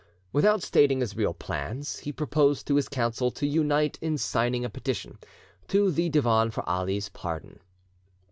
Without stating his real plans, he proposed to his Council to unite in signing a petition to the Divan for Ali's pardon.